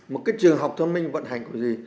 một cái trường học thông minh vận hành có gì